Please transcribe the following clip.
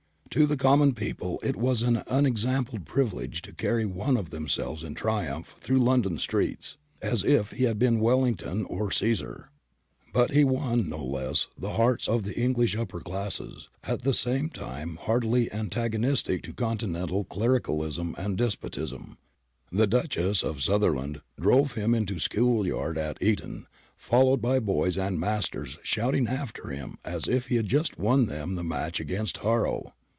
To the common people it was an unexampled privilege to carry one of themselves in triumph through London streets, as if he had been Wellington or Caesar. But he won, no less, the hearts of the English upper classes, at that time heartily antagonistic to continental clericalism and despotism. The Duchess of Sutherland drove him into School yard at Eton, followed by boys and masters shouting after him as if he had just won them the match against Harrow.